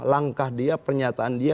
langkah dia pernyataan dia